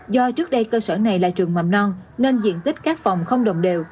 do trước đây cơ sở này là trường mầm non nên diện tích các phòng không đồng đều